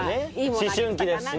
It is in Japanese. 思春期ですしね。